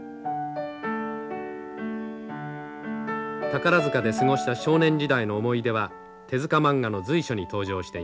宝塚で過ごした少年時代の思い出は手塚マンガの随所に登場しています。